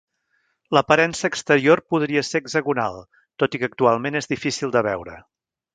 L'aparença exterior podria ser hexagonal, tot i que actualment és difícil de veure.